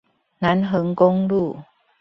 南橫公路